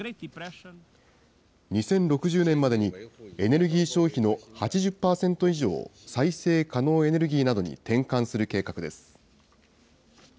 ２０６０年までに、エネルギー消費の８０％以上を再生可能エネルギーなどに転換する計画です。